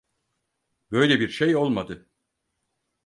Böyle bir şey olmadı.